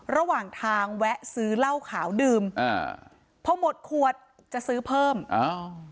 ระหว่างทางแวะซื้อเหล้าขาวดื่มอ่าพอหมดขวดจะซื้อเพิ่มอ้าว